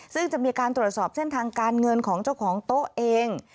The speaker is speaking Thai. ซึ่งจะมีการตรวจสอบเส้นทางการเงินของเจ้าของโต๊ะเอง